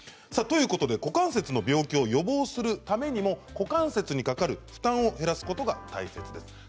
ということで股関節の病気を予防するためにも股関節にかかる負担を減らすことが大切です。